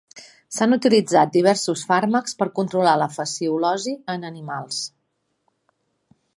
S'han utilitzat diversos fàrmacs per controlar la fasciolosi en animals.